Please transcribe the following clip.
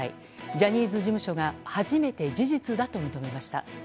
ジャニーズ事務所が初めて事実だと認めました。